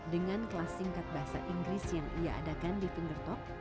dengan kelas singkat bahasa inggris yang ia adakan di finger talk